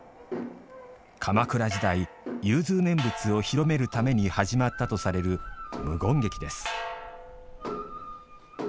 鎌倉時代融通念仏を広めるために始まったとされる無言劇です。